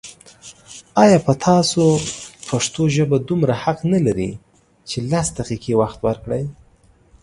آيا په تاسو پښتو ژبه دومره حق نه لري چې لس دقيقې وخت ورکړئ